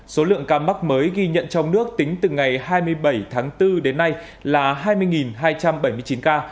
số lượng ca mắc mới ghi nhận trong nước tính từ ngày hai mươi bảy tháng bốn đến nay là hai mươi hai trăm bảy mươi chín ca